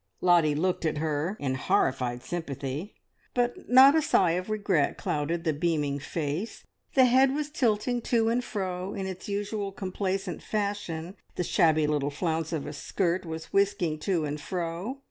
Lottie looked at her in horrified sympathy, but not a sigh of regret clouded the beaming face; the head was tilting to and fro in its usual complacent fashion, the shabby little flounce of a skirt was whisking to and fro.